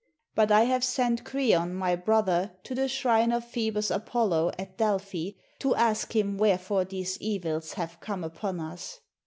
But I have sent Kreon my brother to the shrine of Phoebus Apollo at Delphi to ask him wherefore these evils have come upon us."